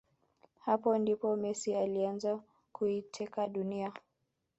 Hapa ndipo Messi alianza kuiteka dunia